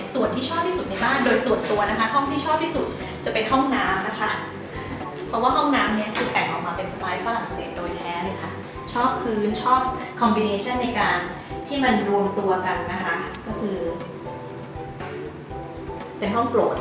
ส่วนที่ชอบที่สุดในบ้านโดยส่วนตัวนะคะห้องที่ชอบที่สุดจะเป็นห้องน้ำนะคะเพราะว่าห้องน้ำเนี่ยคือแต่งออกมาเป็นสไตล์ฝรั่งเศสโดยแท้เลยค่ะชอบพื้นชอบคอมมิเนชั่นในการที่มันรวมตัวกันนะคะก็คือเป็นห้องโปรด